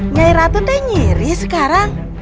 nyai ratu deh nyiri sekarang